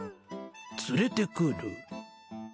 連れてくる